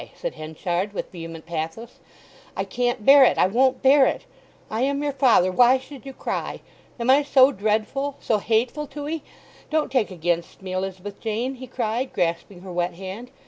said Henchard, with vehement pathos, "I can't bear it, I won't bear it. I am your father; why should you cry? Am I so dreadful, so hateful to 'ee? Don't take against me, Elizabeth Jane!" he cried, grasping her wet hand.